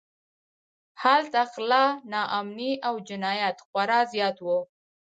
هلته غلا، ناامنۍ او جنایت خورا زیات و.